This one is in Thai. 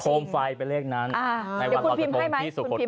โคมไฟล์เป็นเลขนั้นอ่าอ่าเดี๋ยวคุณพิมพ์ให้ไหมคุณพิมพ์ให้ไหม